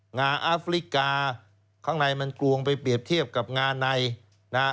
งาอาฟริกาข้างในมันกลวงไปเปรียบเทียบกับงาในนะฮะ